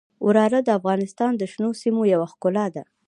واوره د افغانستان د شنو سیمو یوه ښکلا ده.